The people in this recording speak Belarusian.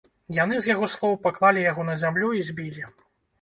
Яны, з яго слоў, паклалі яго на зямлю і збілі.